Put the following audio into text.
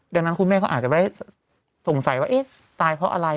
ดังนั้นคุณแม่เขาอาจจะได้สงสัยว่าเอ๊ะตายเพราะอะไร